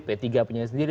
p tiga punya sendiri